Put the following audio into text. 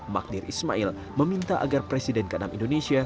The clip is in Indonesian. magdir ismail meminta agar presiden ke enam indonesia